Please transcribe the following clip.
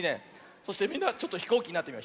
そしてみんなちょっとひこうきになってみよう。